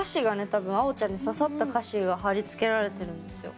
多分あおちゃんに刺さった歌詞が貼り付けられてるんですよ。